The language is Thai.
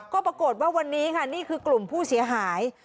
ก็ปรากฏว่าวันนี้ค่ะนี่คือกลุ่มผู้เสียหาย